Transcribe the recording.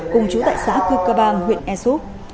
cùng chú tại xã cư cơ bang huyện e s u p